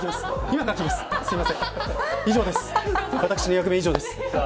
私の役目は、以上です。